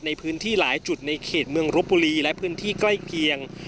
ในพื้นที่หลายจุดในเขตเมืองรบบุรีและพื้นที่ใกล้เคียง